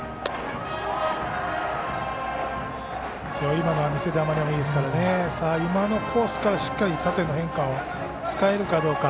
今のは見せ球でもいいですから今のコースからしっかり縦の変化を使えるかどうか。